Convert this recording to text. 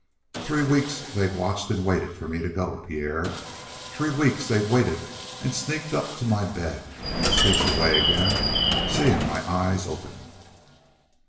"Three weeks they've watched an' waited for me to go out, Pierre. Three weeks they've waited an' sneaked up to my bed an' sneaked away agin, seein' my eyes open."